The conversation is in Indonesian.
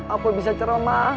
apoi bisa cerah ma